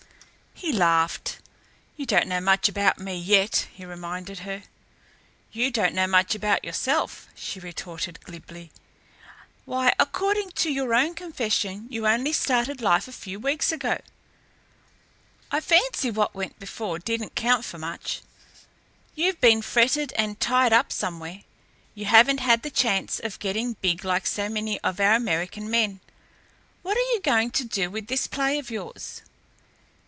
He laughed. "You don't know much about me yet," he reminded her. "You don't know much about yourself," she retorted glibly. "Why, according to your own confession, you only started life a few weeks ago. I fancy what went before didn't count for much. You've been fretted and tied up somewhere. You haven't had the chance of getting big like so many of our American men. What are you going to do with this play of yours?"